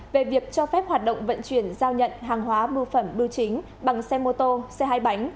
về việc cho phép hoạt động vận chuyển giao nhận hàng hóa bưu phẩm bưu chính bằng xe mô tô xe hai bánh